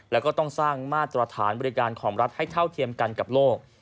แล้วก็ต้องสร้างมาตรฐานบริการของรัฐให้เท่าเทียมกันกับโลก